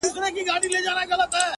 دي مــــړ ســي،